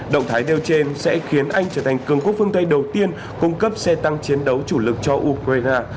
động thái nêu trên sẽ khiến anh trở thành cường quốc phương tây đầu tiên cung cấp xe tăng chiến đấu chủ lực cho ukraine